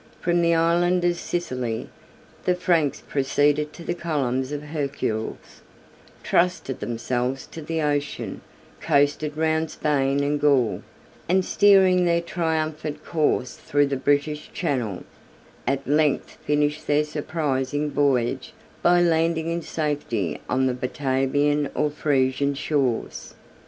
From the island of Sicily the Franks proceeded to the columns of Hercules, trusted themselves to the ocean, coasted round Spain and Gaul, and steering their triumphant course through the British Channel, at length finished their surprising voyage, by landing in safety on the Batavian or Frisian shores.